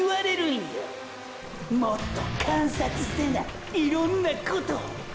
もっと観察せないろんなことを。